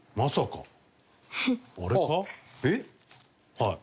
はい。